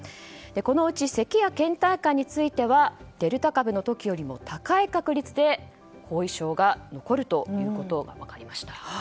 このうちせきや倦怠感についてはデルタ株の時よりも高い確率で後遺症が残るということが分かりました。